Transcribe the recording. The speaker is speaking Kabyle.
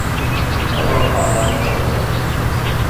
Ad ruḥeɣ ɣer uɣerbaz.